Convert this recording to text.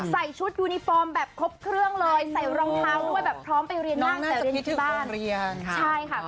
ใส่ชุดยูนิฟอร์มแบบครบเครื่องเลยใส่รองเท้าด้วยแบบพร้อมไปเรียนนั่นนองน่าจะพิทธิโรงเรียนใช่ค่ะ